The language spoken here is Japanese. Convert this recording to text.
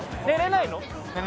寝れないの。